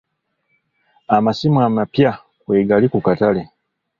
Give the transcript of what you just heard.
Amasimu amapya kwe gali ku katale.